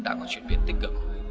đã có chuyển biến tích cực